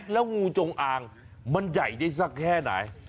แล้วงูจงอางมันใหญ่ได้สักแค่ไหน